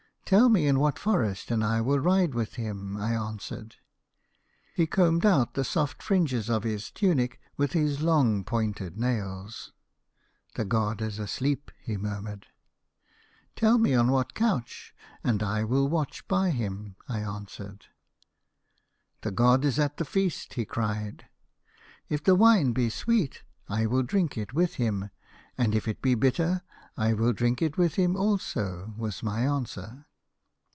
"' Tell me in what forest, and I will ride with him,' I answered. "He combed out the soft fringes of his tunic with his long pointed nails. ' The god is asleep,' he murmured. " 1 Tell me on what couch, and I will watch by him,' I answered. "' The god is at the feast,' he cried. "' If the wine be sweet I will drink it with him, and if it be bitter I will drink it with him also,' was my answer.